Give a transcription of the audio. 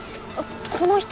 この人。